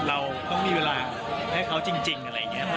เราต้องมีเวลาให้เขาจริงอะไรอย่างนี้